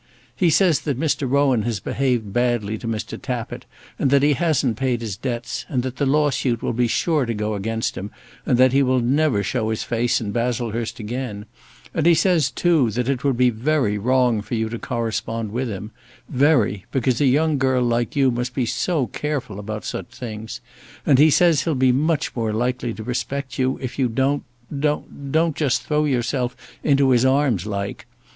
He says that Mr. Rowan has behaved badly to Mr. Tappitt, and that he hasn't paid his debts, and that the lawsuit will be sure to go against him, and that he will never show his face in Baslehurst again; and he says, too, that it would be very wrong for you to correspond with him, very; because a young girl like you must be so careful about such things; and he says he'll be much more likely to respect you if you don't, don't, don't just throw yourself into his arms like.